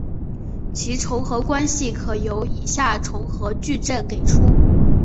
其重合关系可由以下重合矩阵给出。